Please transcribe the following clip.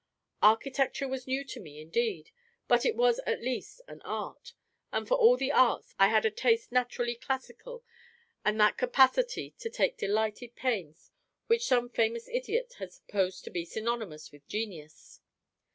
Architecture was new to me, indeed; but it was at least an art; and for all the arts I had a taste naturally classical and that capacity to take delighted pains which some famous idiot has supposed to be synonymous with genius.